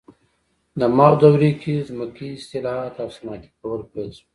د ماو دورې کې ځمکې اصلاحات او صنعتي کول پیل شول.